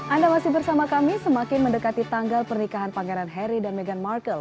anda masih bersama kami semakin mendekati tanggal pernikahan pangeran harry dan meghan markle